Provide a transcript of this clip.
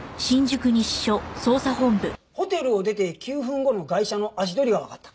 ホテルを出て９分後のガイシャの足取りがわかった。